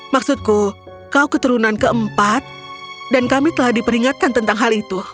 maksudku kau keturunan keempat dan kami telah diperingatkan tentang hal itu